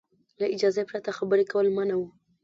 له اجازې پرته خبرې کول منع وو.